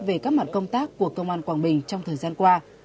về các mặt công tác của công an quảng bình trong thời gian qua